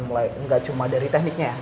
mulai nggak cuma dari tekniknya